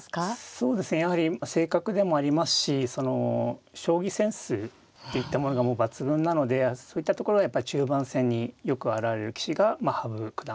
そうですねやはり正確でもありますし将棋センスといったものが抜群なのでそういったところはやっぱ中盤戦によく表れる棋士が羽生九段。